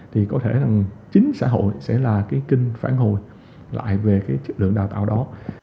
thì có thể chính xã hội sẽ là kinh phản hồi lại về chất lượng đào tạo đó